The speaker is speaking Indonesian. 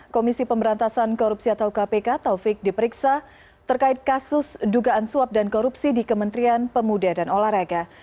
komisi pemberantasan korupsi atau kpk taufik diperiksa terkait kasus dugaan suap dan korupsi di kementerian pemuda dan olahraga